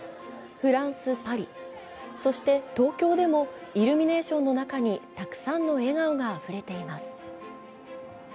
フランス・パリ、そして東京でも、イルミネーションの中にたくさんの笑顔があふれています。